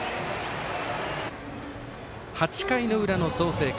８回の裏の創成館。